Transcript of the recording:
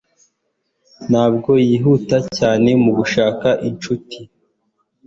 Ntabwo yihuta cyane mu gushaka inshuti.